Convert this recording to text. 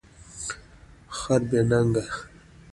خر بی نګه